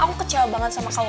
aku kecewa banget sama kamu